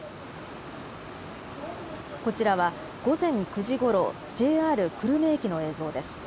こちらは午前９時ごろ、ＪＲ久留米駅の映像です。